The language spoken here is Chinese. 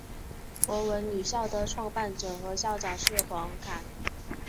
博文女校的创办者和校长是黄侃。